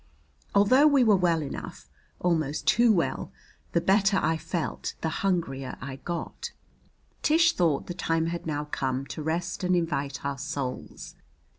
Although we were well enough almost too well the better I felt the hungrier I got. Tish thought the time had now come to rest and invite our souls.